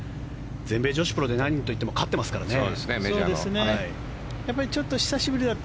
全米女子プロでなんといっても勝ってますからね。